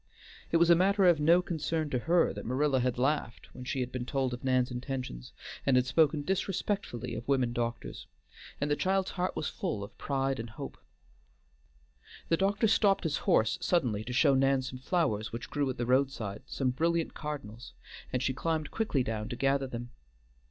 It was a matter of no concern to her that Marilla had laughed when she had been told of Nan's intentions, and had spoken disrespectfully of women doctors; and the child's heart was full of pride and hope. The doctor stopped his horse suddenly to show Nan some flowers which grew at the roadside, some brilliant cardinals, and she climbed quickly down to gather them.